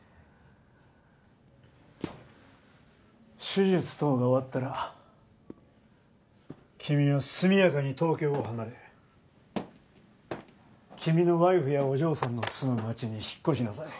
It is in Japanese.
手術等が終わったら君は速やかに東京を離れ君のワイフやお嬢さんの住む街に引っ越しなさい。